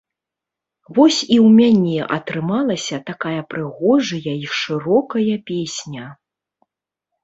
Вось і ў мяне атрымалася такая прыгожая і шырокая песня.